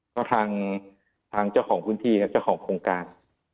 ก็ทางเจ้าของพื้นที่ครับเจ้าของโครงการ